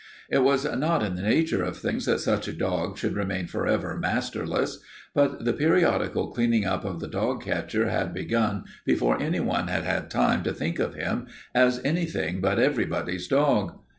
It was not in the nature of things that such a dog should remain forever masterless, but the periodical cleaning up of the dog catcher had begun before anyone had had time to think of him as anything but everybody's dog.